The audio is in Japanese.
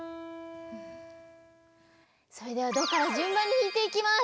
それではドからじゅんばんにひいていきます。